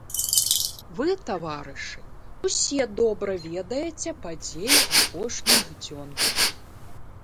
Вы, таварышы, усе добра ведаеце падзеі апошніх дзён.